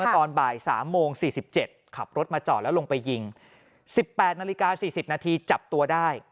ตอนบ่าย๓โมง๔๗ขับรถมาจอดแล้วลงไปยิง๑๘นาฬิกา๔๐นาทีจับตัวได้